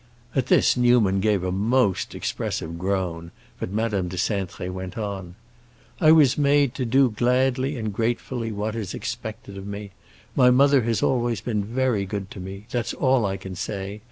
At this Newman gave a most expressive groan, but Madame de Cintré went on. "I was made to do gladly and gratefully what is expected of me. My mother has always been very good to me; that's all I can say.